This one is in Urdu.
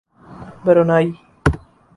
برونائی